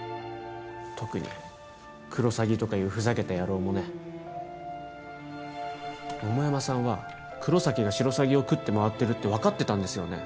特にクロサギとかいうふざけた野郎もね桃山さんは黒崎がシロサギを喰ってまわってるって分かってたんですよね？